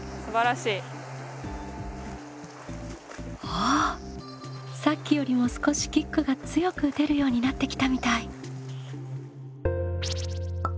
おっさっきよりも少しキックが強く打てるようになってきたみたい。